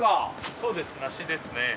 そうです梨ですね。